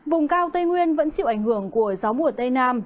vùng cao tây nguyên vẫn chịu ảnh hưởng của gió mùa tây nam